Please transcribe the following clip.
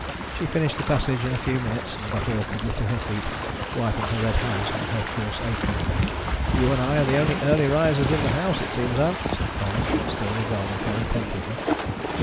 She finished the passage in a few minutes and got awkwardly to her feet, wiping her red hands on her coarse apron. "You and I are the only early risers in the house, it seems, Ann," said Colwyn, still regarding her attentively.